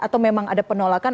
atau memang ada penolakan